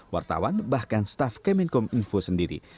wartawan bahkan staf kemenkom info sendiri